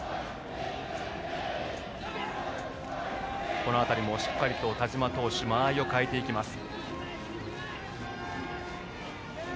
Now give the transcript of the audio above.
この辺りもしっかりと田嶋投手間合いを変えていきます。